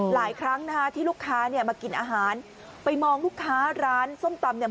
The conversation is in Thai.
หลายครั้งนะคะที่ลูกค้าเนี่ยมากินอาหารไปมองลูกค้าร้านส้มตำเนี่ย